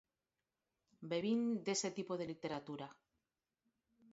Bebín dese tipo de literatura.